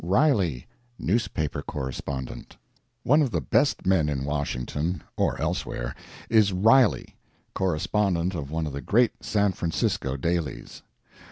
RILEY NEWSPAPER CORRESPONDENT One of the best men in Washington or elsewhere is RILEY, correspondent of one of the great San Francisco dailies.